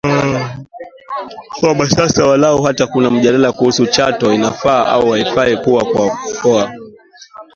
kwamba sasa walau hata kuna mjadala kuhusu Chato inafaa au haifai kuwa mkoa